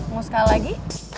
mau sekali lagi